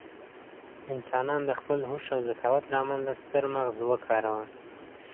انسانان د خپل هوښ او ذکاوت له امله ستر مغز وکاروه.